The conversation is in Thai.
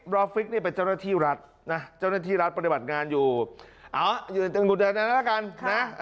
รอฟิกนี่เป็นเจ้าหน้าที่รัฐอ่ะจังหาจะอยู่ดังนั้นะ